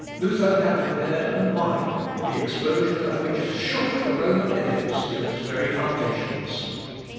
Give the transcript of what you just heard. Luther had prepared a mine, the explosion of which shook the Roman edifice to its very foundations.